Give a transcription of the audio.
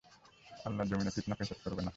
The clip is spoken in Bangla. আল্লাহর যমীনে ফিতনা-ফাসাদ করবে না।